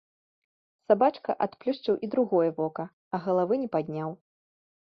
Сабачка адплюшчыў і другое вока, а галавы не падняў.